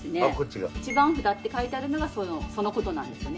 一番札って書いてあるのがそのことなんですね。